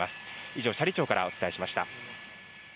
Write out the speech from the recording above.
以上、斜里町からお伝えしました。